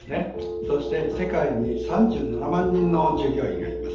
そして世界に３７万人の従業員がいます。